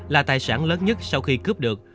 là tài sản lớn nhất sau khi cướp được